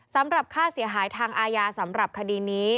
สำหรับค่าเสียหายทางอาญาสำหรับคดีนี้